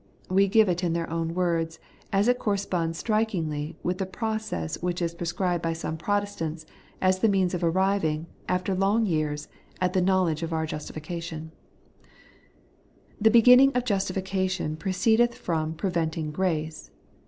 "We give it in their own words, as it corresponds strikingly with the process which is prescribed by some Protestants as the means of arriving, after long years, at the knowledge of our justification :' The beginning of justification proceedeth from preventing grace.